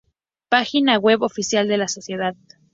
Página web oficial de la Sociedad